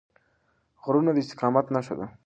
غرونه د استقامت نښه ده.